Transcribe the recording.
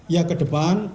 ya ke depan